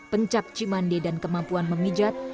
pencak cimande dan kemampuan memijat